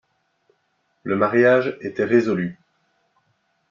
Le mariage était résolu.